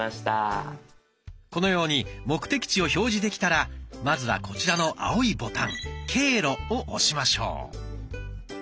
このように目的地を表示できたらまずはこちらの青いボタン「経路」を押しましょう。